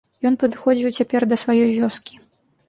Ён падыходзіў цяпер да сваёй вёскі.